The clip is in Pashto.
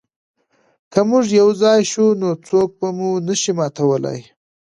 که موږ یو ځای شو نو څوک مو نه شي ماتولی.